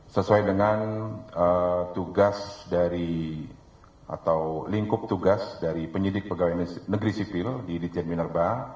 sesuai dengan lingkup tugas dari penyidik pegawai negeri sipil di jen minerba